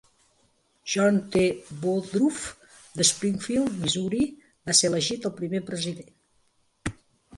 John T. Woodruff de Springfield, Missouri va ser elegit el primer president.